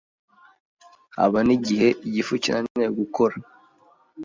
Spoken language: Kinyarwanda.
Haba n’igihe igifu kinaniwe gukora;